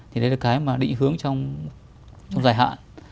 thì đấy là cái mà định hướng trong dài hạn